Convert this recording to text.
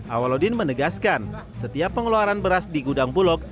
awaludin menegaskan setiap pengeluaran beras di gudang bulog